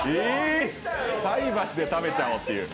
菜箸で食べちゃおうっていう。